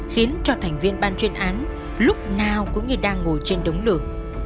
khiến cho thành viên ban chuyên án lúc nào cũng như đang ngồi trên đống lửa